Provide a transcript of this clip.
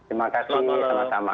terima kasih sama sama